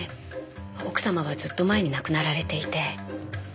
奥様はずっと前に亡くなられていて。